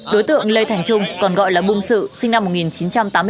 đối tượng lê thành trung còn gọi là bung sự sinh năm một nghìn chín trăm tám mươi tám